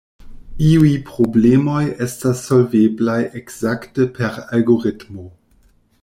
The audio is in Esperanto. Iuj problemoj estas solveblaj ekzakte per algoritmo.